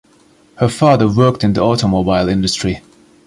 Her father worked in the automobile industry.